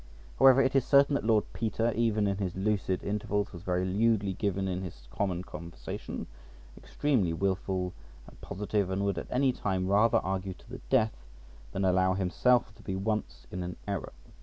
However, it is certain that Lord Peter, even in his lucid intervals, was very lewdly given in his common conversation, extreme wilful and positive, and would at any time rather argue to the death than allow himself to be once in an error.